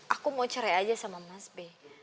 aku mau cerai aja sama mas b